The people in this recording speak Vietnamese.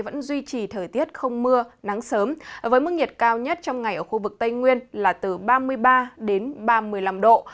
vẫn duy trì thời tiết không mưa nắng sớm với mức nhiệt cao nhất trong ngày ở khu vực tây nguyên là từ ba mươi ba đến ba mươi năm độ